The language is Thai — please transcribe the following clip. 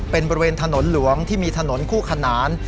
เป็นบริเวณถนนหลวงที่มีถนนคู่ขนาน